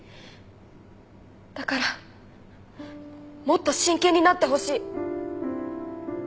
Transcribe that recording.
だからもっと真剣になってほしい。